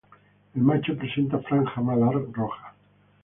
El macho presenta franja malar roja.